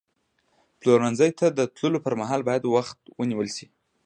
پلورنځي ته د تللو پر مهال باید وخت ونیول شي.